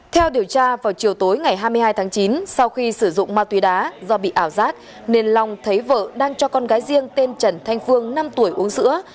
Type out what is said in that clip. theo điều tra vào chiều tối ngày hai mươi hai tháng chín sau khi sử dụng ma túy đá do bị ảo giác nên long thấy vợ đang cho con gái riêng tên trần thanh phương năm tuổi uống sữa